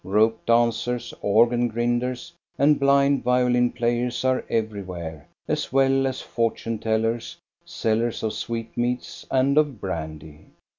Rope dancers, organ grinders, and blind violin players are everywhere, as well as fortune tellers, sellers of sweetmeats and of brandy.